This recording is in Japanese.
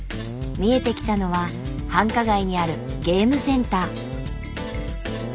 見えてきたのは繁華街にあるゲームセンター。